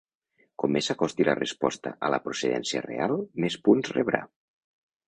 Com més s’acosti la resposta a la procedència real, més punts rebrà.